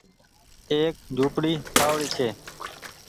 ايڪ جهوپڙي ٺآئوڙي ڇي